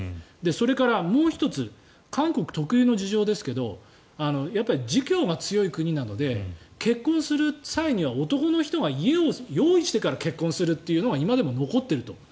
それから、もう１つ韓国特有の事情ですけど儒教が強い国なので結婚する際には男の人が家を用意してから結婚するというのが今でも残っていると。